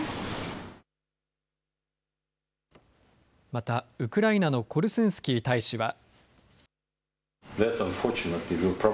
またウクライナのコルスンスキー大使は。